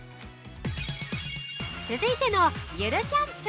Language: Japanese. ◆続いてのゆるジャンプ。